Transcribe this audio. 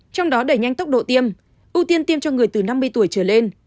trong đó đẩy nhanh tốc độ tiêm ưu tiên tiêm cho người từ năm mươi tuổi trở lên